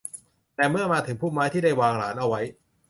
แต่เมื่อมาถึงพุ่มไม้ที่ได้วางหลานเอาไว้